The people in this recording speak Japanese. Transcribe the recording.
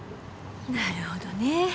なるほどね。